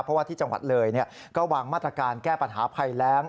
เพราะว่าที่จังหวัดเลยก็วางมาตรการแก้ปัญหาภัยแรง